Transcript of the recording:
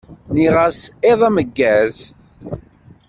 Nniɣ-as iḍ ameggaẓ.